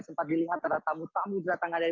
sempat dilihat ada tamu tamu datang dari